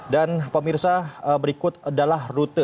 dan pemirsa berikut adalah rute